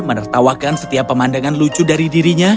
menertawakan setiap pemandangan lucu dari dirinya